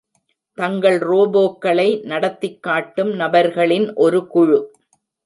தங்கள் ரோபோக்களை நடத்திக் காட்டும் நபர்களின் ஒரு குழு